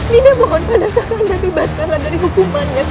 dinda mohon kakanda kakanda bebaskanlah dari hukumannya kakanda